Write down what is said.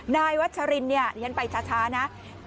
นายวัดฉรินเนี่ยเดี๋ยวฉันไปช้านะ